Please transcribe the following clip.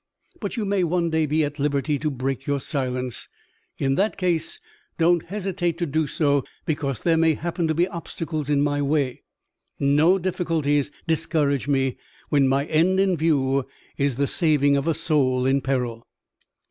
But you may one day be at liberty to break your silence. In that case, don't hesitate to do so because there may happen to be obstacles in my way. No difficulties discourage me, when my end in view is the saving of a soul in peril."